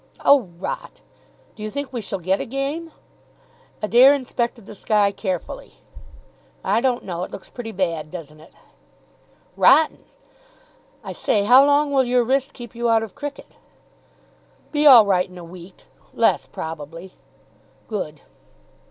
"Oh, rot.... Do you think we shall get a game?" Adair inspected the sky carefully. "I don't know. It looks pretty bad, doesn't it?" "Rotten. I say, how long will your wrist keep you out of cricket?" "Be all right in a week. Less, probably." "Good."